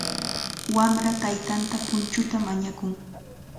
Wamra taytanta punchuta mañakun.